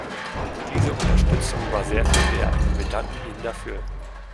Diese Unterstützung war sehr viel wert, und wir danken Ihnen dafür.